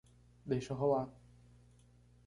Deixa rolar.